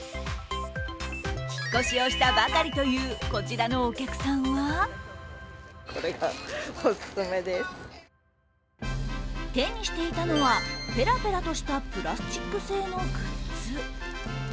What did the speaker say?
引っ越しをしたばかりというこちらのお客さんは手にしていたのはぺらぺらとしたプラスチック製のグッズ。